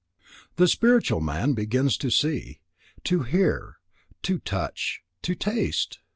The spiritual man begins to see, to hear, to touch, to taste.